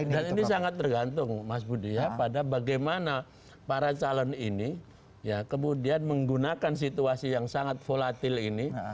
dan ini sangat tergantung mas budi ya pada bagaimana para calon ini kemudian menggunakan situasi yang sangat volatil ini